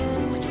semua dah jahat